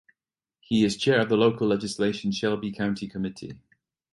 He is chair of the Local Legislation Shelby County Committee.